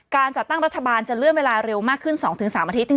การจัดตั้งรัฐบาลจะเลื่อนเวลาเร็วมากขึ้น๒๓อาทิตย์